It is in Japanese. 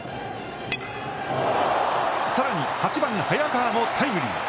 さらに、８番・早川もタイムリー。